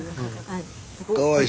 はい。